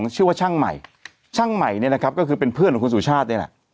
ช่างใหม่เนี่ยนะครับก็คือเป็นเพื่อนของคุณสุชาติเนี่ยแหละ